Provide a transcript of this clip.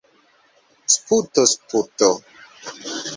Sputo! Sputo!